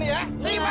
beganti nih ya